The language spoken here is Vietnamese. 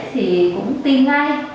thì cũng tin ngay